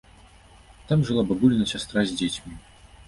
Там жыла бабуліна сястра з дзецьмі.